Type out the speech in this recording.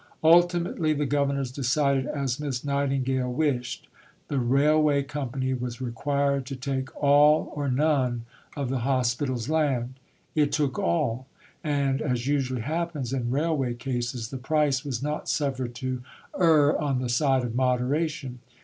Ultimately the Governors decided as Miss Nightingale wished. The Railway Company was required to take all or none of the Hospital's land. It took all and, as usually happens in railway cases, the price was not suffered to err on the side of moderation.